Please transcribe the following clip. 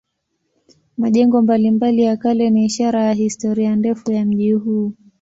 Majengo mbalimbali ya kale ni ishara ya historia ndefu ya mji huu.